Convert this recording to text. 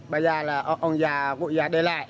bây giờ là ông già vụ già để lại